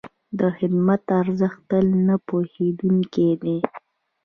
د خدمت ارزښت تل نه هېرېدونکی دی.